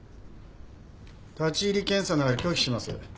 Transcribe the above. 立入検査なら拒否します。